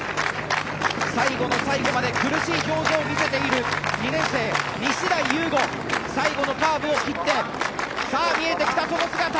最後の最後まで苦しい表情を見せている２年生、西代雄豪最後のカーブを切ってさあ、見えてきたその姿！